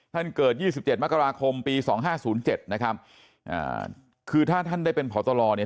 ท่านเกิด๒๗มกราคมปี๒๕๐๗นะครับคือถ้าท่านได้เป็นผอตรอเนี่ย